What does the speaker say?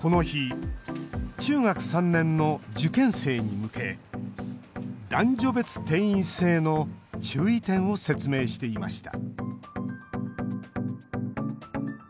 この日、中学３年の受験生に向け男女別定員制の注意点を説明していました